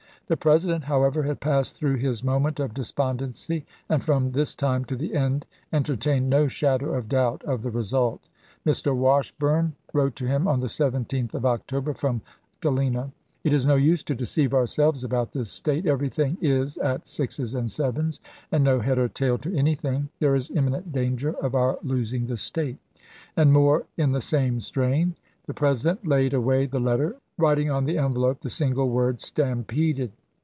The Presi dent, however, had passed through his moment of despondency, and from this time to the end entertained no shadow of doubt of the result. Mr. Washburne wrote to him on the 17th of October from Galena: "It is no use to deceive ourselves about this State. .. Everything is at sixes and sevens ; and no head or tail to anything. There is ms. imminent danger of our losing the State"; and more in the same strain. The President laid away the letter, writing on the envelope the single word, "Stampeded."